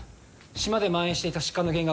島でまん延していた疾患の原因が分かりました。